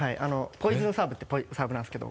ポイズンサーブっていうサーブなんですけど。